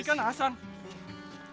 ini kan asal